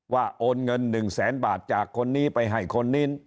ว่าโอนเงินหนึ่งแสนบาทจากคนนี้ไปให้คนนี้